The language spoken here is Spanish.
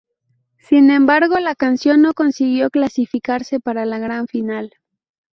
Sin embargo, la canción no consiguió clasificarse para la gran final.